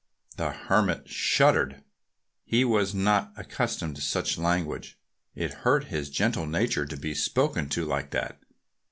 The Hermit shuddered. He was not accustomed to such language. It hurt his gentle nature to be spoken to like that.